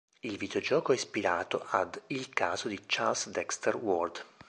Il videogioco è ispirato ad "Il caso di Charles Dexter Ward".